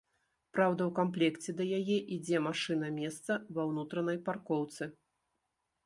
Праўда, у камплекце да яе ідзе машына-месца ва ўнутранай паркоўцы.